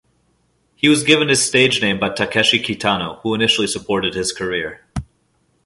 He was given his stage name by Takeshi Kitano, who initially supported his career.